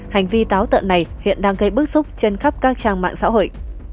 hành vi táo tợn này hiện đang gây bức xúc trên khắp các trang mạng xã hội